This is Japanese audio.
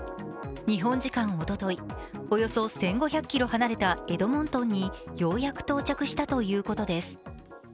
日本時間おととい、およそ１５００ｋｍ離れたエドモントンにようやく到着したということです。